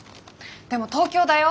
でも東京だよ。